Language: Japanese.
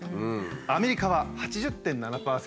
アメリカは８０．７％。